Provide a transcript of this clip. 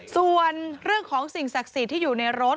ส่วนเรื่องของสิ่งศักดิ์สิทธิ์ที่อยู่ในรถ